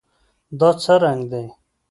دا څه رنګ دی؟